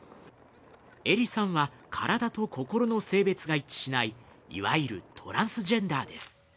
えりさんは、体と心の性別が一致しないいわゆるトランスジェンダーです。